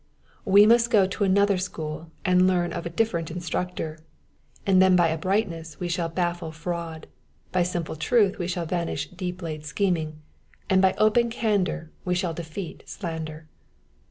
We must go to another school and learn of a different instructor, and then by uprightness we shall baffle fraud, by simple truth we shall vanquish deep laid scheming, and by open candour we shall defeat slander.